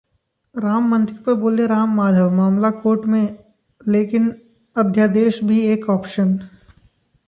राम मंदिर पर बोले राम माधव, मामला कोर्ट में लेकिन अध्यादेश भी एक ऑप्शन